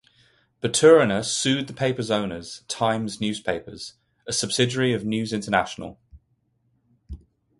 Baturina sued the papers owners; Times Newspapers, a subsidiary of News International.